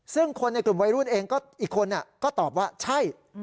ซึ่งคนในกลุ่มวัยรุ่นเองก็อีกคนก็ตอบว่าใช่